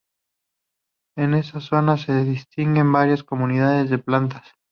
En esta zona se distinguen varias comunidades de plantas.